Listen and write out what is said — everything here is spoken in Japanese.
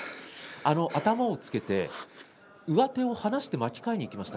頭をつけて上手を離して巻き替えにいきました。